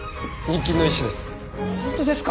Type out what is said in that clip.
日勤の医師です。